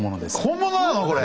本物なの⁉これ。